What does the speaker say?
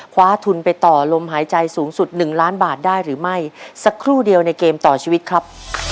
คว้าทุนไปต่อลมหายใจสูงสุดหนึ่งล้านบาทได้หรือไม่สักครู่เดียวในเกมต่อชีวิตครับ